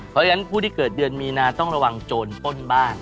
เพราะฉะนั้นผู้ที่เกิดเดือนมีนาต้องระวังโจรป้นบ้าน